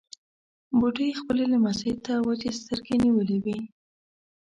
بوډۍ خپلې لمسۍ ته وچې سترګې نيولې وې.